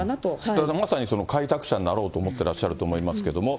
だからまさに開拓者になろうと思ってらっしゃると思いますけども。